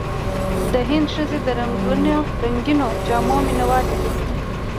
د هند ښځې د رنګینو جامو مینهوالې دي.